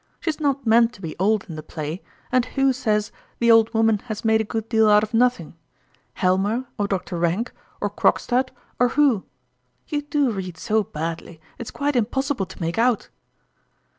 " She's not meant to be old in the play, and who says i the old woman has made a good deal out of nothing ?' Helmer, or Doctor Kank, or Krog stad. or who? You do read so badly, it's quite impossible to make out